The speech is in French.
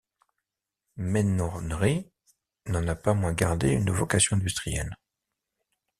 Menonry n’en a pas moins gardé une vocation industrielle.